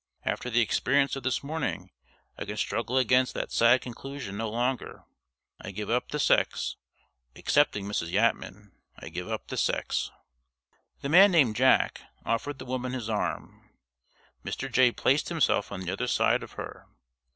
After the experience of this morning, I can struggle against that sad conclusion no longer. I give up the sex excepting Mrs. Yatman, I give up the sex. The man named "Jack" offered the woman his arm. Mr. Jay placed himself on the other side of her.